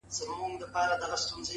ته راته ووایه چي څنگه به جنجال نه راځي